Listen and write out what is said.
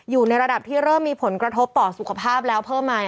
อยู่ในระดับที่เริ่มมีผลกระทบต่อสุขภาพแล้วเพิ่มมา